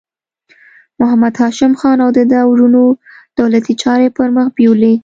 محمد هاشم خان او د ده وروڼو دولتي چارې پر مخ بیولې.